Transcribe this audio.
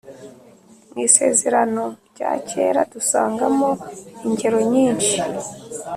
mu isezerano rya kera, dusangamo ingero nyinshi